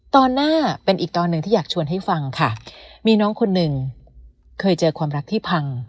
ตอนหน้าเป็นอีกตอนหนึ่งที่อยากชวนให้ฟังค่ะมีน้องคนหนึ่งเคยเจอความรักที่พัง